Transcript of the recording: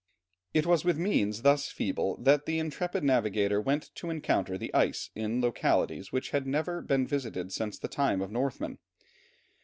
It was with means thus feeble, that the intrepid navigator went to encounter the ice in localities which had never been visited since the time of the Northmen.